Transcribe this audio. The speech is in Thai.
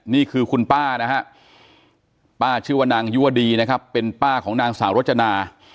นี่คือคุณป้านะฮะป้าชื่อว่านางยั่วดีนะครับเป็นป้าของนางสาวรจนา